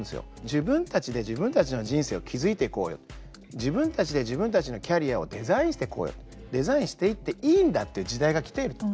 自分たちで自分たちの人生を築いていこうよ、自分たちで自分たちのキャリアをデザインしていこうよデザインしていっていいんだっていう時代がきていると。